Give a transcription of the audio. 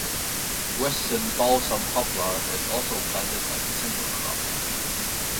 Western balsam poplar is also planted as a timber crop.